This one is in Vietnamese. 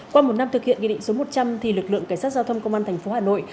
qua một năm thực hiện nghị định số một trăm linh lực lượng cảnh sát giao thông công an thành phố hà nội